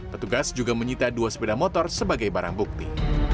petugas juga menyita dua sepeda motor sebagai barang bukti